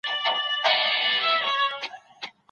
د اختلافاتو په صورت کي څه بايد وسي؟